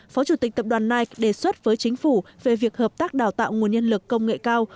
phó chủ tịch tập đoàn nike đề xuất với chính phủ về việc hợp tác đào tạo nguồn nhân lực công nghệ cao